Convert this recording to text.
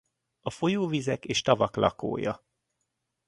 A folyóvizek és tavak lakója.